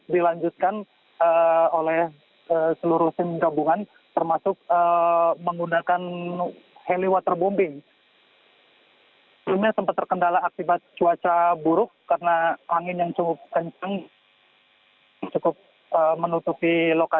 di sekitar daerah kabupaten majalengka